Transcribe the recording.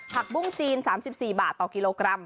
บุ้งจีน๓๔บาทต่อกิโลกรัม